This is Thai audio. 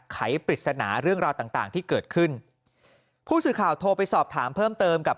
ไขปริศนาเรื่องราวต่างต่างที่เกิดขึ้นผู้สื่อข่าวโทรไปสอบถามเพิ่มเติมกับ